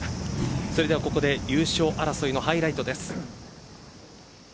それではここで優勝争いのハイライトです。